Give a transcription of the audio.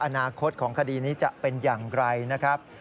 อนาคตของคดีนี้จะเป็นอย่างไรนะครับ